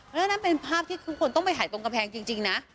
แล้วนั่นเป็นภาพที่ทุกคนต้องไปถ่ายตรงกำแพงจริงนะ